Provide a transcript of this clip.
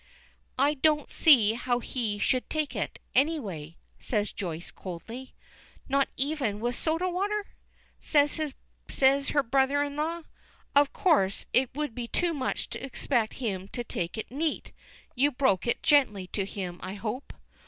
"I don't see how he should take it, anyway," says Joyce, coldly. "Not even with soda water?" says her brother in law. "Of course, it would be too much to expect him to take it neat. You broke it gently to him I hope."